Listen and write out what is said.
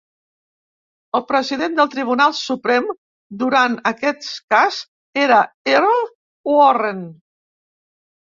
El President del Tribunal Suprem durant aquest cas era Earl Warren.